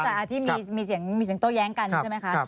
ก็จะหาที่มีเสียงโตะแย้งกันใช่ไหมคะ